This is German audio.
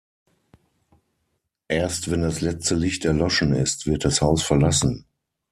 Erst wenn das letzte Licht erloschen ist, wird das Haus verlassen!